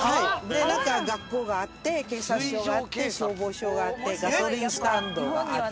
で中学校があって警察署があって消防署があってガソリンスタンドがあって。